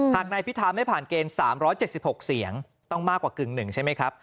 หากนายพิธาไม่ผ่านเกณฑ์๓๗๖เสียงต้องมากกว่ากึ่งหนึ่งใช่ไหมครับ